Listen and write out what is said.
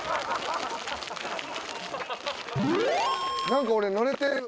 何か俺乗れてる。